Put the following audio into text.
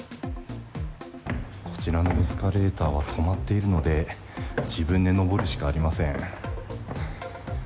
こちらのエスカレーターは止まっているので、自分で上るしかありません。